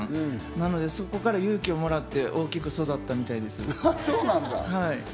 なので、そこから勇気をもらって大きく育ったみたいです。